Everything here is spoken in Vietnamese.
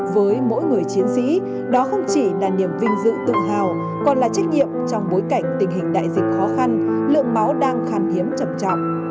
với mỗi người chiến sĩ đó không chỉ là niềm vinh dự tự hào còn là trách nhiệm trong bối cảnh tình hình đại dịch khó khăn lượng máu đang khan hiếm chầm trọng